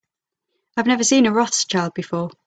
I have never seen a Rothschild before.